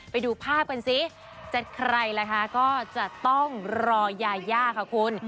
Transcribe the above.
ไปดูภาพกันซิจะใครล่ะคะก็จะต้องรอยาย่าค่ะคุณ